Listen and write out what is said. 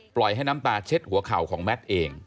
ปล่อยให้น้ำตาเช็ดหัวเข่าของแมทเอง